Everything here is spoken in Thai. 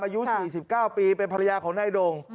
อายุ๔๙ปีเป็นภรรยาของในดง